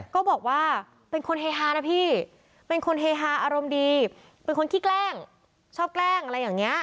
ก็บอกว่าเป็นคนเฮฮานะพี่เป็นคนเฮฮาอารมณ์ดีเป็นคนขี้แกล้งชอบแกล้งอะไรอย่างนี้